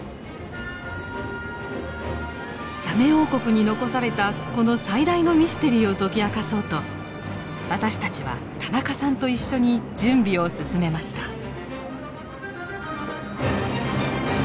サメ王国に残されたこの最大のミステリーを解き明かそうと私たちは田中さんと一緒に準備を進めました。